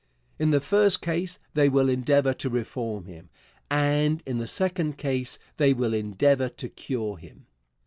In the first case they will endeavor to reform him, and in the second case they will endeavor to cure him.